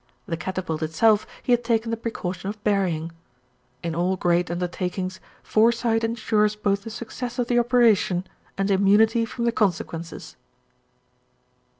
The catapult itself he had taken the precaution of burying. In all great undertakings, fore sight ensures both the success of the operation and immunity from the consequences.